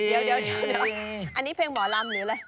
เดี๋ยวอันนี้เพลงหมอลำหรืออะไร